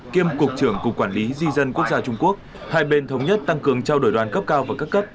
kiêm cục trưởng cục quản lý di dân quốc gia trung quốc hai bên thống nhất tăng cường trao đổi đoàn cấp cao và các cấp